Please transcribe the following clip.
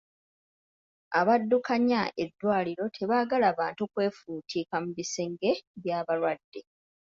Abaddukanya eddwaliro tebaagala bantu kwefuutiika mu bisenge by'abalwadde.